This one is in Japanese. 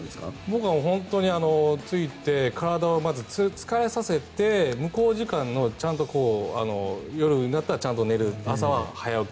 僕は着いて体をまず、疲れさせて向こう時間の夜になったらちゃんと寝る、朝は早起き。